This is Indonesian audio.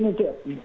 oh begini cik